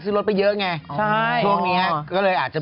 อะไรเนี่ยเกิน๒๐ล้าน